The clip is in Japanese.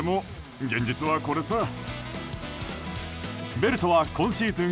ベルトは今シーズン